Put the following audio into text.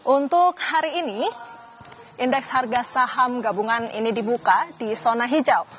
untuk hari ini indeks harga saham gabungan ini dibuka di zona hijau